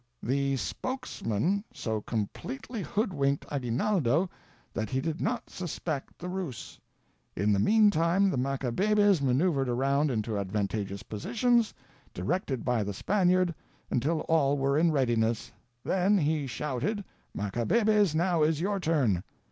"The spokesman so completely hoodwinked Aguinaldo that he did not suspect the ruse. In the meantime, the Macabebes manoeuvred around into advantageous positions, directed by the Spaniard, until all were in readiness; then he shouted, 'Macabebes, now is your turn!'